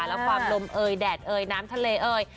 แล้วความลมเอยแดดเอยน้ำทะเลเอ่ย